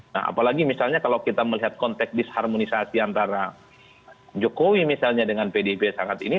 nah apalagi misalnya kalau kita melihat konteks disharmonisasi antara jokowi misalnya dengan pdip sangat ini